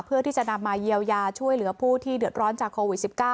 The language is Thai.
เพื่อที่จะนำมาเยียวยาช่วยเหลือผู้ที่เดือดร้อนจากโควิด๑๙